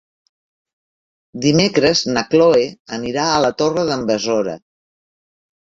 Dimecres na Cloè anirà a la Torre d'en Besora.